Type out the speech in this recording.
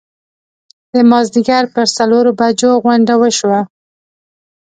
د مازیګر پر څلورو بجو غونډه وشوه.